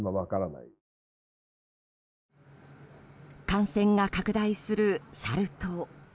感染が拡大するサル痘。